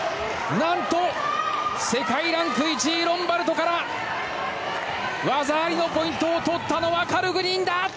なんと世界ランク１位ロンバルドから技ありのポイントを取ったのはカルグニンだ。